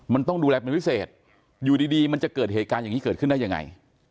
มันต้องดูแลเป็นพิเศษอยู่ดีมันจะเกิดเหตุการณ์อย่างนี้เกิดขึ้นได้ยังไง